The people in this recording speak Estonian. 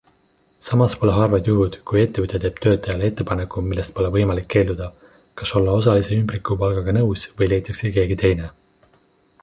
Samas pole harvad juhud, kui ettevõtja teeb töötajale ettepaneku, millest pole võimalik keelduda - kas olla osalise ümbrikupalgaga nõus või leitakse keegi teine.